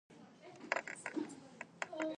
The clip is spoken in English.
Rose decided on the simpler Digg instead.